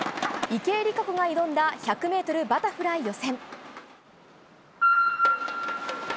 池江璃花子が挑んだ１００ｍバタフライ予選。